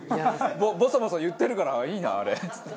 ボソボソ言ってるから「いいなあれ」っつって。